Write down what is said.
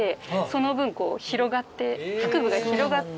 その分こう広がって腹部が広がって。